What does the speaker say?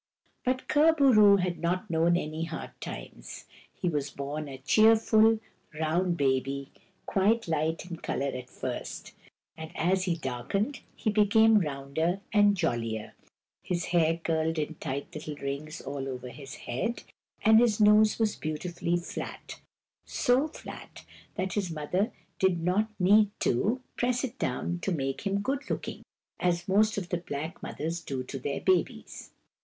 But Kur bo roo had not known any hard times. He was born a cheerful, round baby, quite light in colour at first ; and as he darkened he became rounder and jollier. His hair curled in tight little rings all over his head, and his nose was beauti fully fiat — so flat that his mother did not need to S.A.B. 209 o 210 KUR BO ROO. THE BEAR press it down to make him good looking, as most of the black mothers do to their babies.